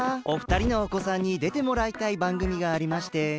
お二人のおこさんにでてもらいたいばんぐみがありまして。